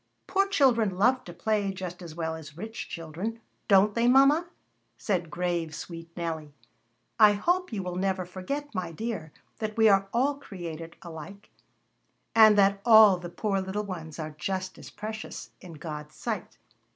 "Poor children love to play just as well as rich children, don't they, mama?" said grave, sweet Nellie. "I hope you will never forget, my dear, that we are all created alike, and that all the poor little ones are just as precious in God's sight."